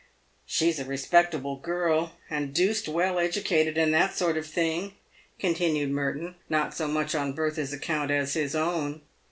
" She's a respectable girl, and deuced well educated, and that sort of thing," continued Merton, not so much on Bertha's account as his own.